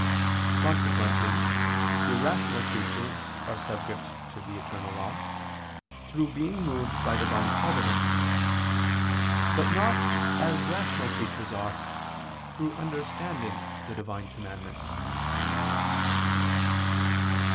Consequently irrational creatures are subject to the eternal law, through being moved by Divine providence; but not, as rational creatures are, through understanding the Divine commandment.